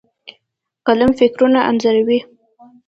قلم فکرونه انځوروي.